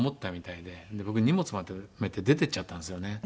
僕荷物まとめて出て行っちゃったんですよね。